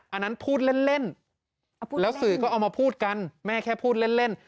อันนั้นพูดเล่นแล้วสื่อก็เอามาพูดกันแม่แค่พูดเล่น